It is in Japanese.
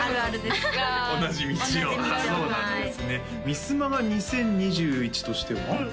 ミスマガ２０２１としては？